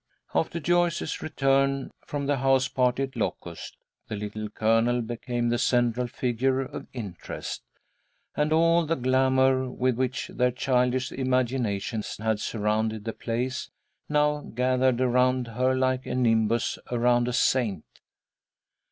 After Joyce's return from the house party at Locust, the Little Colonel became the central figure of interest, and all the glamour with which their childish imaginations had surrounded the place, now gathered around her like a nimbus around a saint.